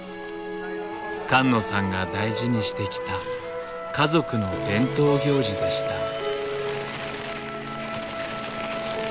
菅野さんが大事にしてきた家族の伝統行事でした。